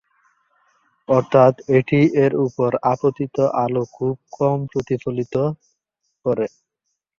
অর্থাৎ এটি এর উপর আপতিত আলো খুব কম প্রতিফলিত করে।